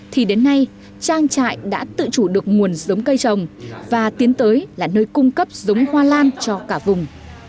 thì đến nay trang trại đã tự chủ được nguồn giống cây trồng và tiến tới là nơi cung cấp giống hoa lan cho cả vùng